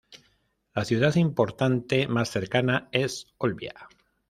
La ciudad importante más cercana es Olbia.